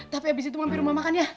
tapi abis itu mampir rumah makan ya